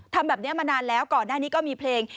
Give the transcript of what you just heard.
ทำแบบนี้มานานแล้วก่อนหน้านี้ก็มีเพลง